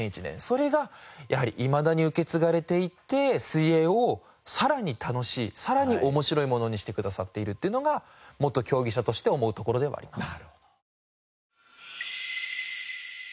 それがやはりいまだに受け継がれていって水泳をさらに楽しいさらに面白いものにしてくださっているというのが元競技者として思うところではあります。